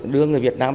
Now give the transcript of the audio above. đưa người việt nam